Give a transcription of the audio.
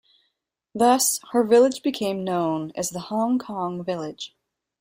Thus, her village became known as the Hong Kong Village.